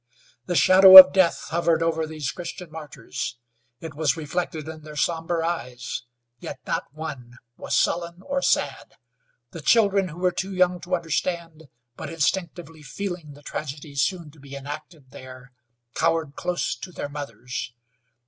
The shadow of death hovered over these Christian martyrs; it was reflected in their somber eyes, yet not one was sullen or sad. The children who were too young to understand, but instinctively feeling the tragedy soon to be enacted there, cowered close to their mothers.